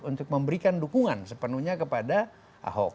untuk memberikan dukungan sepenuhnya kepada ahok